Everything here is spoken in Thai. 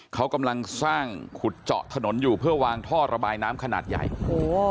เขากำลังสร้างขุดเจาะถนนอยู่เพื่อวางท่อระบายน้ำขนาดใหญ่โอ้โห